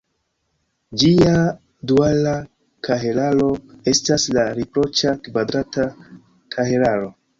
Ĝia duala kahelaro estas la riproĉa kvadrata kahelaro.